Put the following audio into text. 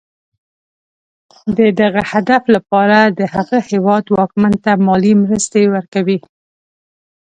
د دغه هدف لپاره د هغه هېواد واکمن ته مالي مرستې ورکوي.